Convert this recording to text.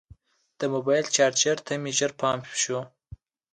د موبایل چارجر ته مې ژر پام شو.